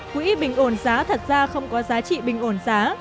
quỹ bình ổn giá thật ra không có giá trị bình ổn giá